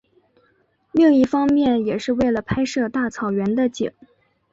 另一方面也是为了拍摄大草原的景。